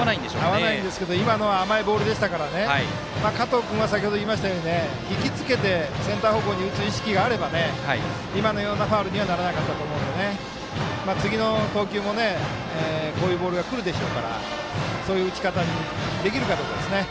合わないんですけど今のは甘いボールですから加藤君は先ほど言いましたけど引きつけてセンター方向へ打つ意識があれば今のようなファウルにはならなかったと思うんで次の投球もこういうボールがくるでしょうからそういう打ち方にできるかどうかですね。